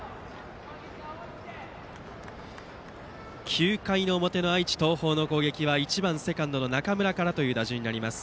９回の表の愛知・東邦の攻撃は１番セカンドの中村からという打順です。